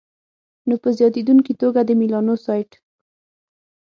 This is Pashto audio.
نو په زیاتېدونکي توګه د میلانوسایټ